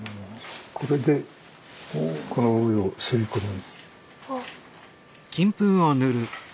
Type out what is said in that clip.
これでこの上をすりこむ。